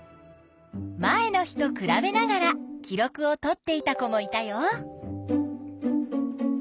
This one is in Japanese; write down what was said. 前の日とくらべながら記録をとっていた子もいたよ。